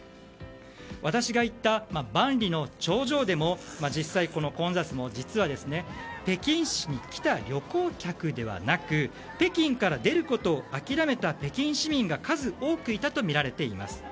私が行った万里の長城でも実際に、この混雑も北京市に来た旅行客ではなく北京から出ることを諦めた北京市民が数多くいたとみられています。